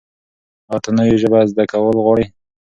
ایا ته نوې ژبه زده کول غواړې؟